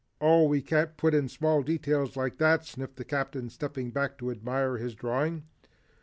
"Oh, we can't put in small details like that," sniffed the Captain stepping back to admire his drawing.